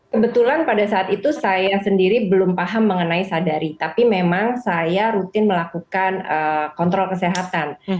kebetulan pada saat itu saya sendiri belum paham mengenai sadari tapi memang saya rutin melakukan kontrol kesehatan